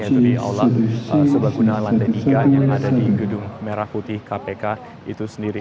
yaitu di aulang sebaguna lantai tiga yang ada di gedung merah putih kpk itu sendiri